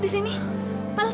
kau cepat banget